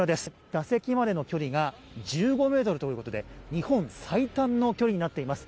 打席までの距離が１５ｍということで日本最短の距離になっています。